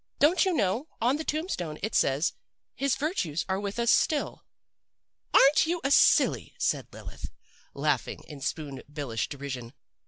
Don't you know, on the tombstone it says, "his virtues are with us still."' "'Aren't you a silly!' said Lilith, laughing in Spoon billish derision.